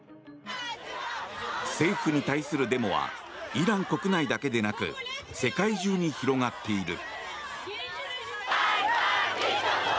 政府に対するデモはイラン国内だけでなく世界中に広がっている。